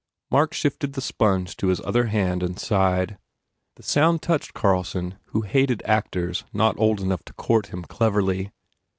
Mark shifted the sponge to his other hand and sighed. The sound touched Carlson who hated actors not old enough to court him cleverly.